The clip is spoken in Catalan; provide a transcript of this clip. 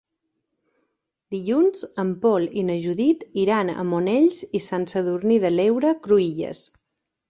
Dilluns en Pol i na Judit iran a Monells i Sant Sadurní de l'Heura Cruïlles.